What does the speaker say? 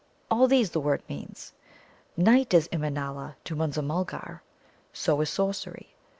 All these the word means. Night is Immanâla to Munza mulgar. So is sorcery.